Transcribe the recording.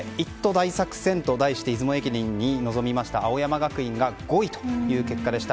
大作戦と題して出雲駅伝に臨みました青山学院が５位という結果でした。